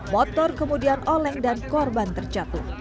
motor kemudian oleng dan korban terjatuh